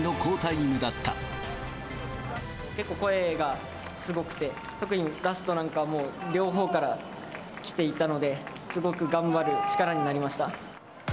結構声がすごくて、特にラストなんかも、両方からきていたので、すごく頑張る力になりました。